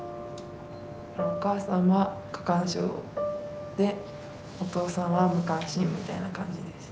お母さんは過干渉でお父さんは無関心みたいな感じです。